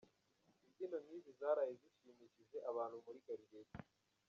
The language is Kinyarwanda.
Imbyino nk'izi zaraye zishimishije abantu muri Galleria.